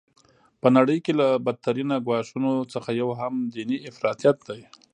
په نړۍ کي له بد ترینه ګواښونو څخه یو هم دیني افراطیت دی.